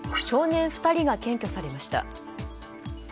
少年２人が検挙されました。